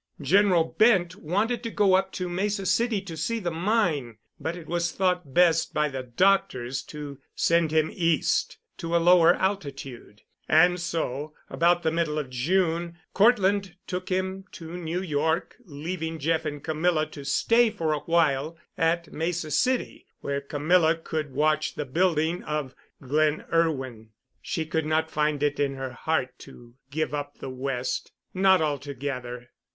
General Bent wanted to go up to Mesa City to see the mine, but it was thought best by the doctors to send him East to a lower altitude, and so, about the middle of June, Cortland took him to New York, leaving Jeff and Camilla to stay for a while at Mesa City, where Camilla could watch the building of "Glen Irwin." She could not find it in her heart to give up the West—not altogether.